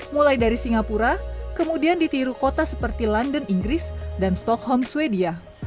mulai dari singapura kemudian ditiru kota seperti london inggris dan stockholm sweden